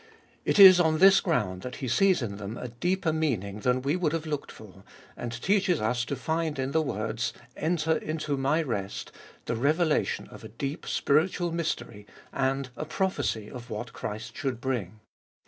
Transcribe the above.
It is on this ground that he sees in them a deeper meaning than we would have looked for, and teaches us to find in the words, enter into my rest, the revelation of a deep spiritual mystery and a prophecy of what Christ should bring.